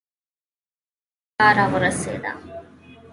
چې بر کڅ سکول ته راورسېدۀ ـ